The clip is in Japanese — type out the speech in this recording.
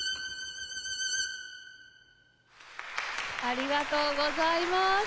ありがとうございます。